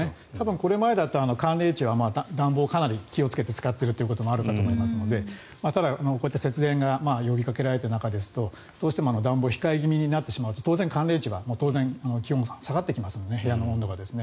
これまでだと寒冷地はかなり暖房を気をつけて使っているということもあるかと思いますのでただ、こういった節電が呼びかけられている中ですとどうしても暖房を控え気味になってしまうと当然寒冷地は気温が下がってきますので部屋の温度がですね。